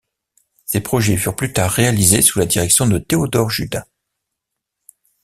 Ses projets furent plus tard réalisés sous la direction de Theodore Judah.